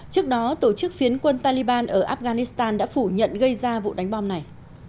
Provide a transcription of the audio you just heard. trước đó tổ chức phiến quân taliban ở afghanistan đã phủ nhận gây ra vụ đánh bom này